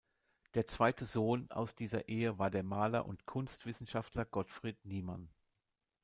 Der zweite Sohn aus dieser Ehe war der Maler und Kunstwissenschaftler Gottfried Niemann.